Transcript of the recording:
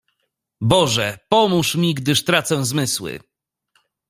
"Boże pomóż mi, gdyż tracę zmysły!"